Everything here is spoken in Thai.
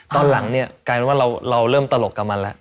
ตอนหลังเนี่ยกลายเป็นว่าเราเริ่มตลกกับมันแล้ว